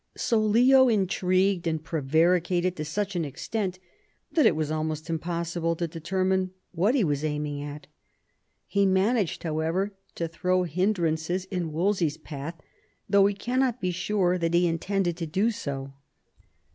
So Leo intrigued and prevaricated to such an extent that it is almost impossible to determine what he was aiming at. He managed, however, to throw hindrances in Wolsey's path, though we cannot be sure that he intended to do so.